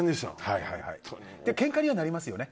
けんかにはなりますよね。